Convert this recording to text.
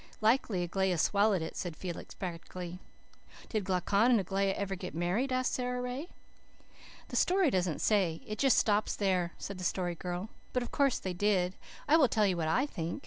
"Likely Aglaia swallowed it," said Felix practically. "Did Glaucon and Aglaia ever get married?" asked Sara Ray. "The story doesn't say. It stops just there," said the Story Girl. "But of course they did. I will tell you what I think.